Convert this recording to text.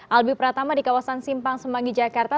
albi pratama di kawasan simpang semanggi jakarta